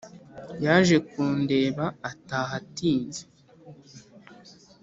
yaje kundeba ataha atinze